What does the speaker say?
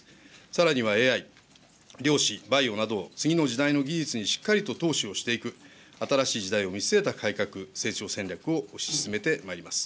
さらにはＡＩ、量子、バイオなど、次の時代にしっかりと投資をしていく、新しい時代を見据えた改革、成長戦略を推し進めてまいります。